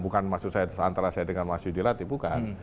bukan maksud saya antara saya dengan mas yudilati bukan